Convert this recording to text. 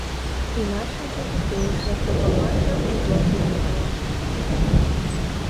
Іначай бы тутэйшая прапаганда ўжо грымела.